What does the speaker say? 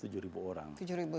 tujuh ribu seluruh indonesia ya